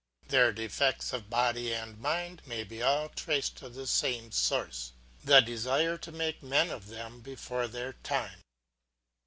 Their defects of body and mind may all be traced to the same source, the desire to make men of them before their time.